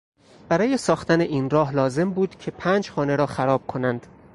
برای ساختن این راه لازم بود که پنج خانه را خراب کنند.